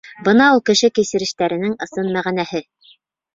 Бына ул кеше кисерештәренең ысын мәғәнәһе!